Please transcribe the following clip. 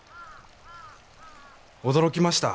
驚きました。